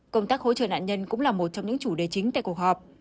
công tác hỗ trợ nạn nhân cũng là một trong những chủ đề chính tại cuộc họp